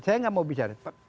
saya tidak mau bicara